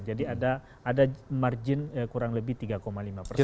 jadi ada margin kurang lebih tiga lima persen